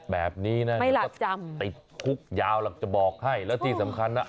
แบบนี้นะติดคุกยาวหรอกจะบอกให้แล้วที่สำคัญน่ะ